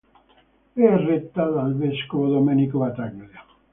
È retta dal vescovo Domenico Battaglia.